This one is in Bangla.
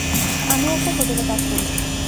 আমি একটা হোটেলে কাজ করি।